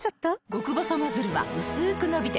極細ノズルはうすく伸びて